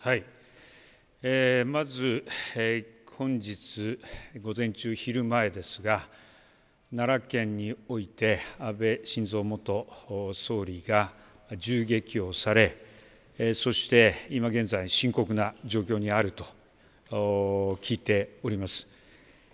まず本日、午前中昼前ですが奈良県において安倍晋三元総理が銃撃をされそして今、現在深刻な状況にあると聞いております。